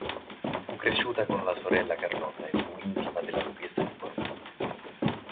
Fu cresciuta con la sorella Carlotta e fu intima della Duchessa di Borbone.